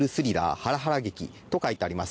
はらはら劇と書いてあります。